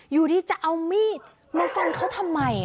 อยู่ดีจะเอามีดมาฟันเขาทำไม